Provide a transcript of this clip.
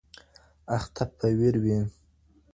اخته په ویر وي